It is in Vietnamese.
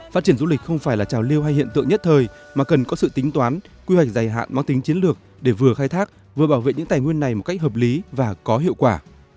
phát triển du lịch không phải là trào lưu hay hiện tượng nhất thời mà cần có sự tính toán quy hoạch dài hạn mang tính chiến lược để vừa khai thác vừa bảo vệ những tài nguyên này một cách hợp lý và có hiệu quả